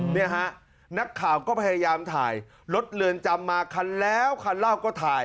เนี่ยฮะนักข่าวก็พยายามถ่ายรถเรือนจำมาคันแล้วคันเล่าก็ถ่าย